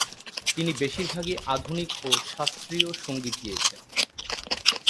তিনি বেশিরভাগই আধুনিক ও শাস্ত্রীয় গান গেয়েছেন।